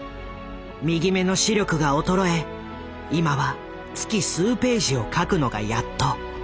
右目の視力が衰え今は月数ページを描くのがやっと。